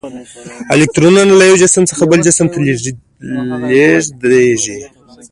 الکترونونه له یو جسم څخه بل جسم ته لیږدیږي.